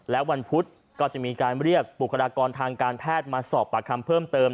และวันพุธก็จะมีการเรียกบุคลากรทางการแพทย์มาสอบปากคำเพิ่มเติม